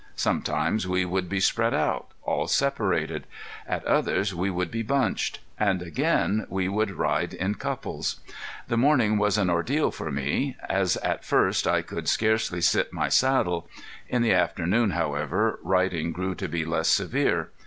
Sometimes we would be spread out, all separated; at others we would be bunched; and again we would ride in couples. The morning was an ordeal for me, as at first I could scarcely sit my saddle; in the afternoon, however, riding grew to be less severe.